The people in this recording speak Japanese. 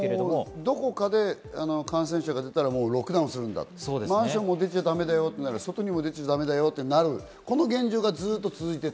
どこかで感染者が出たらロックダウンするんだと、マンションも出ちゃだめだよと、外にも出ちゃだめだよってなる、この現状がずっと続いていた。